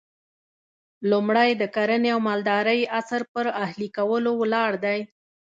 لومړی د کرنې او مالدارۍ عصر پر اهلي کولو ولاړ دی